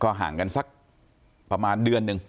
ห่างกันสักประมาณเดือนหนึ่ง